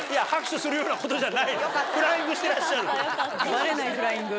バレないフライング。